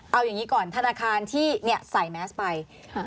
เอาอย่างนี้ก่อนธนาคารที่ใส่แมสไป